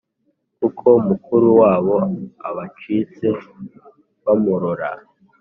Kuko mukuru wabo Abacitse bamurora!